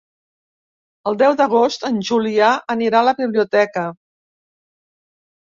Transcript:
El deu d'agost en Julià anirà a la biblioteca.